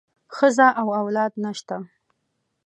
ښځه او اولاد نشته.